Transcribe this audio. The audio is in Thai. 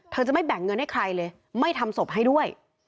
จะไม่แบ่งเงินให้ใครเลยไม่ทำศพให้ด้วย